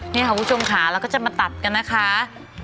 นี่ค่ะคุณผู้ชมค่ะเราก็จะมาตัดกันนะคะ